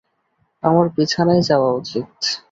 আমার বিছানায় যাওয়া উচিত।